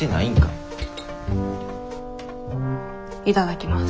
いただきます。